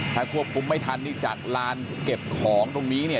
ถ้าควบคุมไม่ทันนี่จากลานเก็บของตรงนี้เนี่ย